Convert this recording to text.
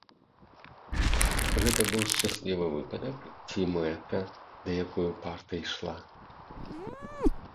Гэта быў шчаслівы выпадак ці мэта, да якой упарта ішла?